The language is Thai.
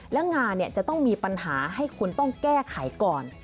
แล้วงานจะต้องมีปัญหาให้คุณต้องแก้ไขก่อน